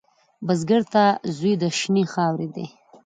بزګر ته زوی د شنې خاورې دی